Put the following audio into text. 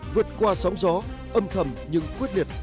vượt qua sóng gió âm thầm nhưng quyết liệt